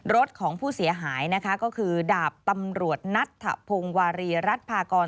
รถของผู้เสียหายนะคะก็คือดาบตำรวจนัทธพงศ์วารีรัฐพากร